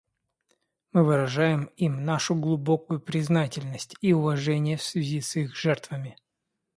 Мы выражаем им нашу глубокую признательность и уважение в связи с их жертвами.